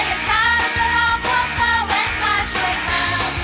เราจะรอพวกเธอแวะมาช่วยกัน